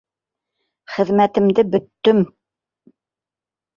Хеҙмәтемде бөттөм.